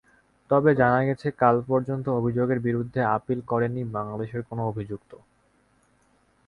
তবে জানা গেছে, কাল পর্যন্তও অভিযোগের বিরুদ্ধে আপিল করেননি বাংলাদেশের কোনো অভিযুক্ত।